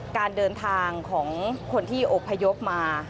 การเดินทางของคนที่อบพยพมา